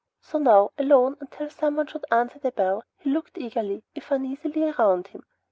So now, alone until someone should answer the bell, he looked eagerly, if uneasily, around him.